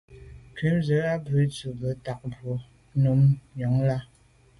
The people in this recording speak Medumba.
Ŋkrʉ̀n zə̃ bù à’ tsì bú bə́ á tà’ mbrò ŋkrʉ̀n nù nyɔ̌ŋ lá’.